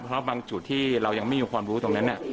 เพราะบางจุดที่เรายังไม่มีความรู้ตรงนั้นเนี่ย